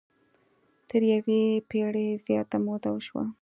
تر یوې پېړۍ زیاته موده وشوه.